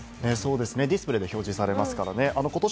ディスプレイで表示されますからね。